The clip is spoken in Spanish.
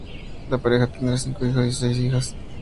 La pareja tendría cinco hijos y seis hijas.